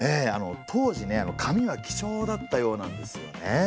当時ね紙は貴重だったようなんですよね。